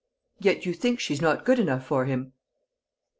"Yet you think she's not good enough for him?"